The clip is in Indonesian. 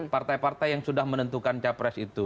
partai partai yang sudah menentukan capres itu